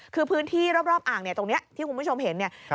คือพื้นที่รอบอ่างเนี่ยตรงนี้ที่คุณผู้ชมเห็นเนี่ย